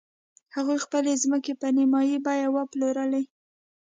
هغوی خپلې ځمکې په نیمايي بیه وپلورلې.